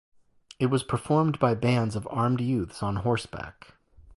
It was performed by bands of armed youths on horseback.